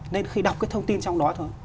nên khi đọc cái thông tin trong đó thôi